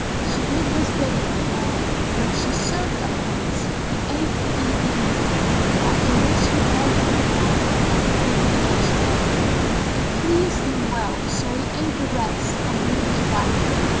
She did his bidding and, when she served up the meats, he ate the evening meal, after which he called for the bowl and ate of the electuary. It pleased him well, so he ate the rest and knew his wife.